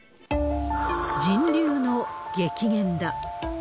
人流の激減だ。